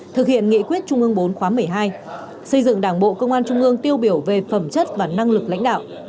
thực hiện nghị quyết trung ương bốn khóa một mươi hai xây dựng đảng bộ công an trung ương tiêu biểu về phẩm chất và năng lực lãnh đạo